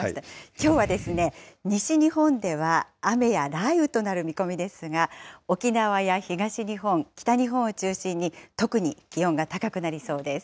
きょうはですね、西日本では雨や雷雨となる見込みですが、沖縄や東日本、北日本を中心に、特に気温が高くなりそうです。